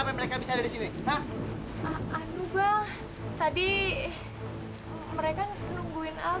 tapi malah kakek berikut meninggal